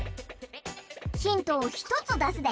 ヒントをひとつだすで。